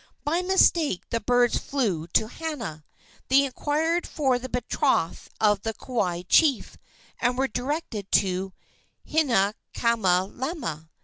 By mistake the birds flew to Hana. They inquired for the betrothed of the Kauai chief, and were directed to Hinaikamalama.